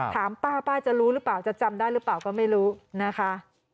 ถามป้าป้าจะรู้หรือเปล่าจะจำได้หรือเปล่าก็ไม่รู้นะคะ